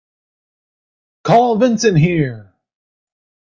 Call Vincent here!